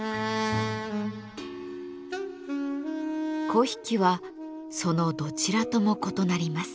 粉引はそのどちらとも異なります。